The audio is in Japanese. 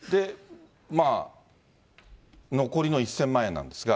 残りの１０００万円なんですが。